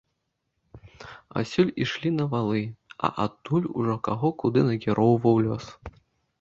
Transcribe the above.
Адсюль ішлі на валы, а адтуль ужо каго куды накіроўваў лёс.